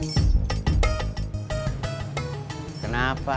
mereka akan memilih cara yang terbaik